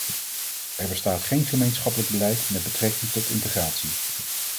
Er bestaat geen gemeenschappelijk beleid met betrekking tot integratie.